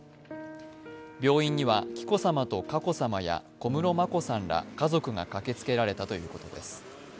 病院には紀子さまと佳子さまや小室眞子さんら家族が駆けつけられたということです。